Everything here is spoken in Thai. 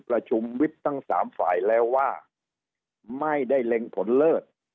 ประชุมวิบทั้งสามฝ่ายแล้วว่าไม่ได้เล็งผลเลิศ